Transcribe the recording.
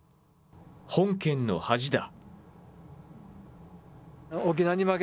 本県の恥だ。